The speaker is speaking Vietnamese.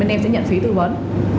em sẽ nhận phí tư vấn